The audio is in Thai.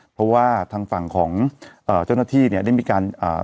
เพราะว่าทางฝั่งของเอ่อเจ้าหน้าที่เนี่ยได้มีการอ่า